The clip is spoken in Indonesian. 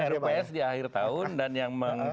rups di akhir tahun dan yang